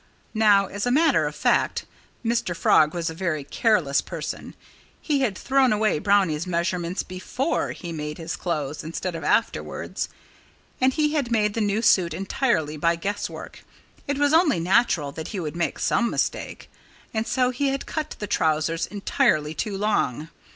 Now, as a matter of fact, Mr. Frog was a very careless person. He had thrown away Brownie's measurements before he made his clothes, instead of afterwards. And he had made the new suit entirely by guesswork. It was only natural that he would make some mistake; and so he had cut the trousers entirely too long.